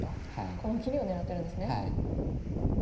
この切りを狙ってるんですね。